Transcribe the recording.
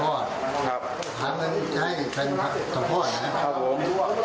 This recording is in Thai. วัดให้พอ